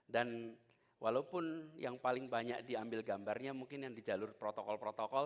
dan walaupun yang paling banyak diambil gambarnya mungkin yang di jalur protokol protokol